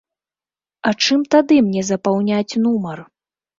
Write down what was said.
А чым тады мне запаўняць нумар?